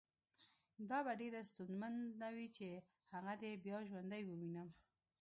دا به ډېره ستونزمنه وي چې هغه دې بیا ژوندی ووینم